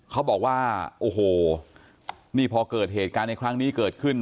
เขาบอกว่าโอ้โหนี่พอเกิดเหตุการณ์ในครั้งนี้เกิดขึ้น